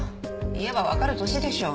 言えばわかる年でしょ？